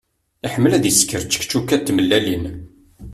Iḥemmel ad isker čekčuka d tmellalin.